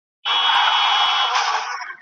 د چينايانو د کار ځواک تر نورو زيات دی.